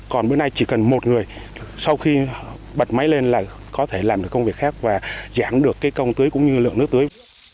còn bữa nay chỉ cần một người sau khi bật máy lên là có thể làm được công việc khác và giảm được cái công tưới cũng như lượng nước tưới